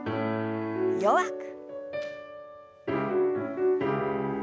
弱く。